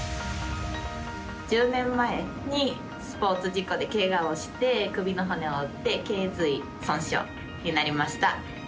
１０年前にスポーツ事故でけがをして首の骨を折ってけい椎損傷になりました。